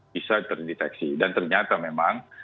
bisa terdeteksi dan ternyata memang